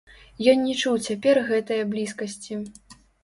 Ён не чуў цяпер гэтае блізкасці.